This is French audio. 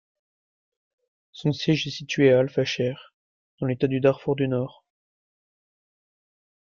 Son siège est situé à El-Fasher dans l'État du Darfour du Nord.